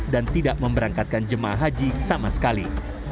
dan tidak memberangkatkan jemaah haji sama sekali